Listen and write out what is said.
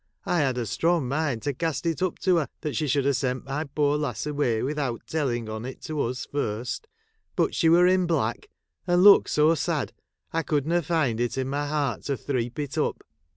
I had a strong mind to cast it up to her, that she should ha' sent my poor lass away without telling on it to us first ; but she were ill black, and looked so sad I could DM" find in my heart to threep it up.